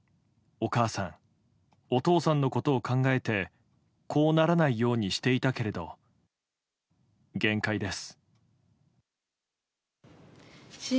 お母さんお父さんのことを考えてこうならないようにしていたけれど限界です。